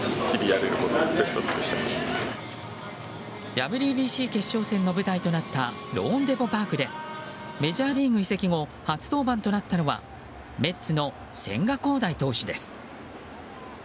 ＷＢＣ決勝戦の舞台となったローンデポ・パークでメジャーリーグ移籍後初登板となったのはメッツの千賀滉大投手です。